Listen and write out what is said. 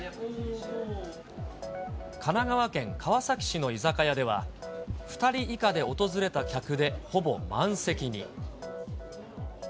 神奈川県川崎市の居酒屋では、２人以下で訪れた客でほぼ満席に。